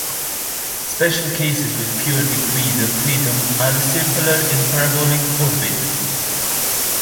Special cases with fewer degrees of freedom are the circular and parabolic orbit.